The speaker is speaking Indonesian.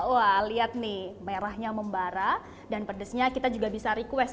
wah lihat nih merahnya membara dan pedesnya kita juga bisa request